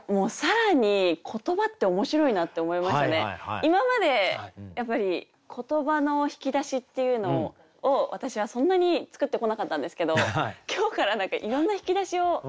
今までやっぱり言葉の引き出しっていうのを私はそんなに作ってこなかったんですけど今日からいろんな引き出しを持ちたいなって思いました。